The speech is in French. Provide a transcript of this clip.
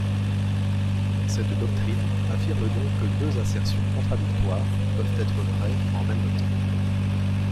Cette doctrine affirme donc que deux assertions contradictoires peuvent être vraies en même temps.